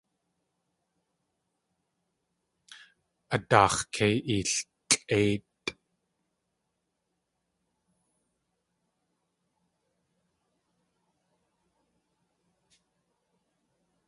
A daax̲ kei eeltlʼéitʼ!